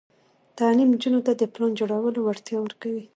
تعلیم نجونو ته د پلان جوړولو وړتیا ورکوي.